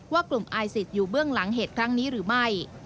ว่ากลุ่มไอซิสอยู่เบื้องหลังเหตุครั้งนี้หรือไม่